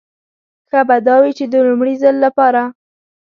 ښه به دا وي چې د لومړي ځل لپاره.